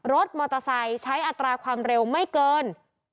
รถมอเตอร์ไซค์ใช้อัตราความเร็วไม่เกิน